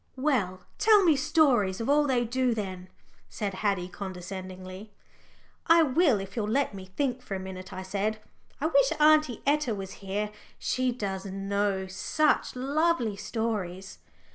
"Well, tell me stories of all they do then," said Haddie condescendingly. "I will if you'll let me think for a minute," I said. "I wish Aunty Etta was here she does know such lovely stories."